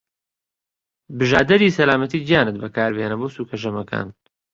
بژادەری سەلامەتی گیانت بەکاربهێنە بۆ سوکە ژەمەکان.